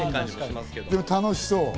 でも楽しそう。